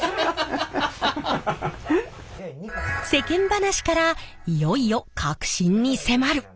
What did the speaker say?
世間話からいよいよ核心に迫る！